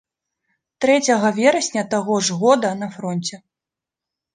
З верасня таго ж года на фронце.